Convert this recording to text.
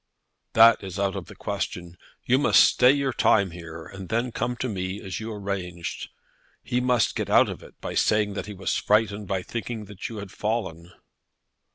"That is out of the question. You must stay out your time here and then come to me, as you arranged. He must get out of it by saying that he was frightened by thinking that you had fallen."